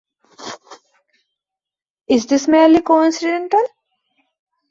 Is this merely coincidental?